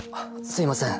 すいません。